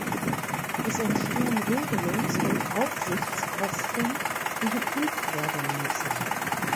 Es entstehen Regelungs- und Aufsichtskosten, die geprüft werden müssen.